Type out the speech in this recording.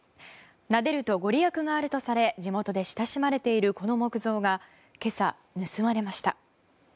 なでると御利益があるとされ地元で親しまれているこの木像が今朝、盗まれました。